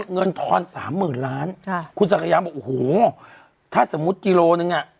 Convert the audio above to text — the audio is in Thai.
เงินทอน๓๐๐๐๐ล้านคุณศักดิ์สยามบอกโอ้โหถ้าสมมุติกิโลหนึ่ง